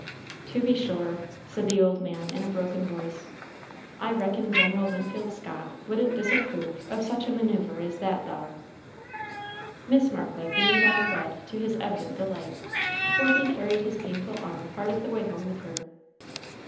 "To be sure," said the old man in a broken voice. "I reckon General Winfield Scott wouldn't disapprove of such a maneuver as that thar." Miss Martha beamed on Bud to his evident delight, for he carried his painful arm part of the way home with her.